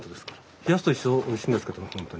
冷やすと一層おいしいんですけどもほんとに。